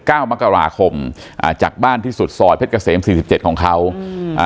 เก้ามกราคมอ่าจากบ้านที่สุดซอยเพชรเกษมสี่สิบเจ็ดของเขาอืมอ่า